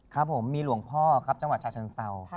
ครับผมมีหลวงพ่อเฉียวชาชนเศร้า